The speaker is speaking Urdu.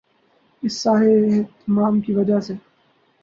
اس سارے اہتمام کی وجہ سے